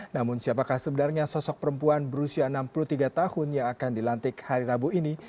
namun siapakah sebenarnya sosok perempuan berusia enam puluh tiga tahun yang akan dilantik hari rabu ini